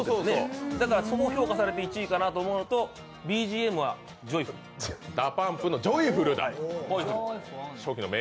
そこを評価されて１位かなと思うのと、ＢＧＭはＤＡＰＵＭＰの「ジョイフル」。